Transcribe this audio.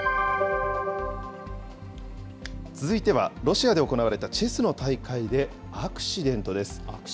続いては、ロシアで行われたチェスの大会でアクシデントです。